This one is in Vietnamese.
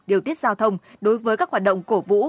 điều tiết giao thông đối với các hoạt động cổ vũ